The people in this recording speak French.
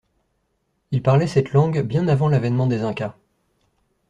Ils parlaient cette langue bien avant l'avènement des Incas.